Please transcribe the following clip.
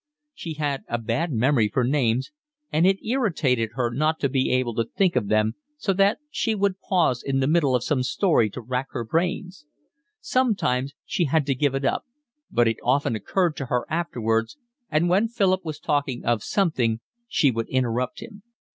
She had a bad memory for names, and it irritated her not to be able to think of them, so that she would pause in the middle of some story to rack her brains. Sometimes she had to give it up, but it often occurred to her afterwards, and when Philip was talking of something she would interrupt him.